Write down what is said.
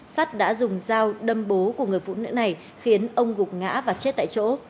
sắt đã dùng dao đâm bố của người phụ nữ này khiến ông gục ngã và chết tại chỗ